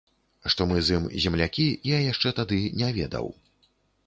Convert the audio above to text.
Што мы з ім землякі, я яшчэ тады не ведаў.